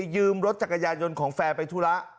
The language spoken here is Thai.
ยืมรถจักรยานยนต์ของแฟนไปธุระ